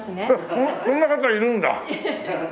えっそんな方いるんだ！